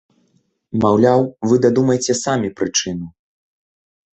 Маўляў, вы дадумайце самі прычыну.